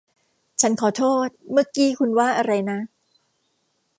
ฉันขอโทษ เมื่อกี้คุณว่าอะไรนะ